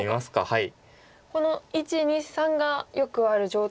はい。